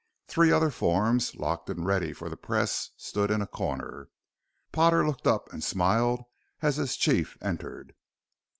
Three other forms, locked and ready for the press, stood in a corner. Potter looked up and smiled as his chief entered.